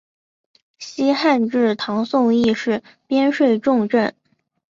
西汉至唐宋亦是边睡重镇。